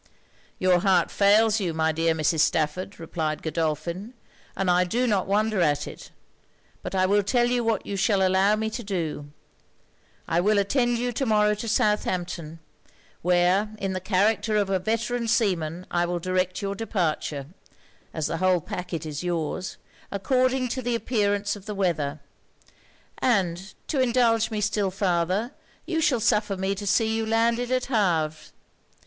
'Your heart fails you, my dear Mrs. Stafford,' replied Godolphin, 'and I do not wonder at it. But I will tell you what you shall allow me to do: I will attend you to morrow to Southampton, where in the character of a veteran seaman I will direct your departure, (as the whole pacquet is yours) according to the appearance of the weather; and to indulge me still farther, you shall suffer me to see you landed at Havre.